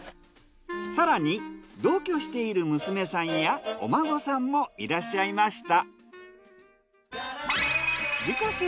更に同居している娘さんやお孫さんもいらっしゃいました。